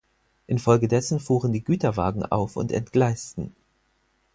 In Folge dessen fuhren die Güterwagen auf und entgleisten.